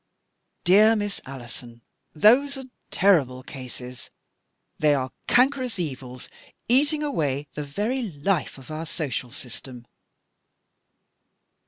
" Dear Miss Alison, those are terrible cases. They are cankerous evils, eating away the very He of our social system."